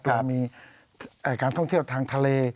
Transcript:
เรามีการท่องเที่ยวทางทะเล